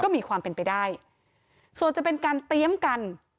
มีความเป็นไปได้ส่วนจะเป็นการเตรียมกัน